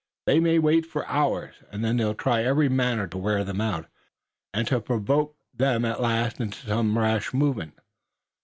They may wait for hours, and they'll try in every manner to wear them out, and to provoke them at last into some rash movement.